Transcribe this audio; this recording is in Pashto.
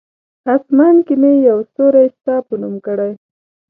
آسمان کې مې یو ستوری ستا په نوم کړی!